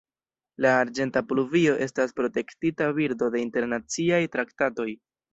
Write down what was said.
La arĝenta pluvio estas protektita birdo de internaciaj traktatoj.